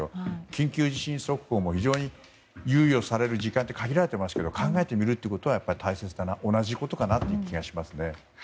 緊急地震速報も非常に猶予される時間って限られていますけど考えてみることは大切だな、同じことかなという気がしますね。